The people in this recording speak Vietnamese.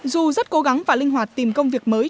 dù rất cố gắng và linh hoạt tìm công việc mới